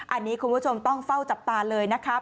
อันนี้คุณผู้ชมต้องเฝ้าจับตาเลยนะครับ